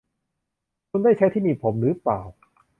คุณได้ใช้ที่หนีบผมหรือเปล่า ?